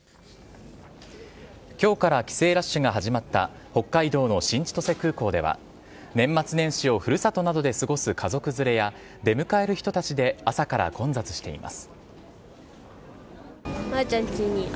今日から帰省ラッシュが始まった北海道の新千歳空港では年末年始を古里などで過ごす家族連れや出迎える人たちで朝から混雑しています。